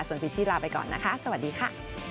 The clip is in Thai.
ส่วนพิชชี่ลาไปก่อนนะคะสวัสดีค่ะ